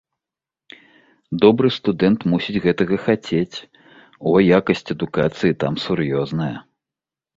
Добры студэнт мусіць гэтага хацець, о якасць адукацыі там сур'ёзная.